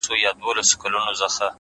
وتاته زه په خپله لپه كي؛